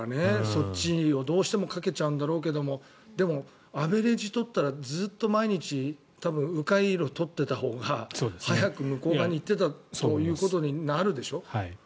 そっちにどうしてもかけちゃうんだろうけどでも、アベレージ取ったらずっと毎日多分迂回路を通っていたほうが早く向こう側に行っていたということになるでしょ。